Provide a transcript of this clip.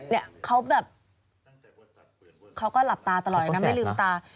เนี่ยเขาแบบเขาก็หลับตาตลอดเลยนะไม่ลืมตา